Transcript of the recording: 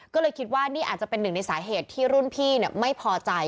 ก็เลยคิดว่านี่อาจจะเป็นหนึ่งในสาเหตุที่รุ่นพี่ไม่พอใจ